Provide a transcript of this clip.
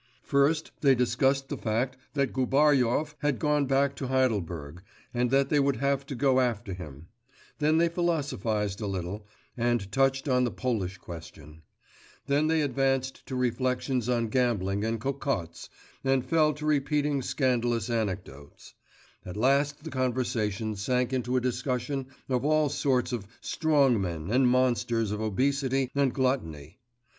First they discussed the fact that Gubaryov had gone back to Heidelberg, and that they would have to go after him; then they philosophised a little, and touched on the Polish question; then they advanced to reflections on gambling and cocottes, and fell to repeating scandalous anecdotes; at last the conversation sank into a discussion of all sorts of 'strong men' and monsters of obesity and gluttony.